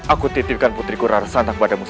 aku titipkan putriku rara santak pada musik